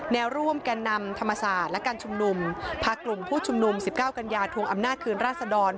แนวร่วมแก่นำธรรมศาสตร์และการชุมนุมพากลุ่มผู้ชุมนุม๑๙กันยาทวงอำนาจคืนราษดร